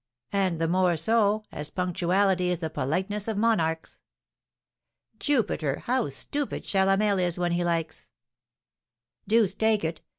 And the more so, as 'Punctuality is the politeness of monarchs!'" "Jupiter! How stupid Chalamel is when he likes!" "Deuce take it!